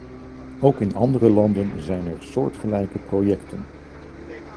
Ook in andere landen zijn er soortgelijke projecten.